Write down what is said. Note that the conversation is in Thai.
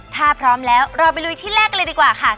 ถ้าพร้อมแล้วเราไปลุยที่แรกกันเลยดีกว่าค่ะ